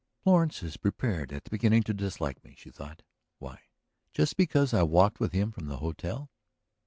"Florence is prepared at the beginning to dislike me," she thought. "Why? Just because I walked with him from the hotel?"